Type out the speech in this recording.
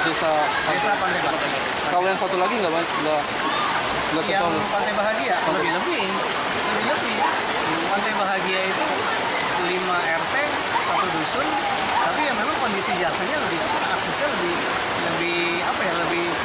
lebih parah dibandingkan